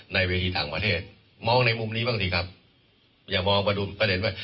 ในเวทีต่างประเทศมองในมุมนี้บ้างสิครับอย่ามองมาดูประเด็นว่า